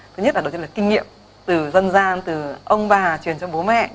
thứ nhất là đầu tiên là kinh nghiệm từ dân gian từ ông bà truyền cho bố mẹ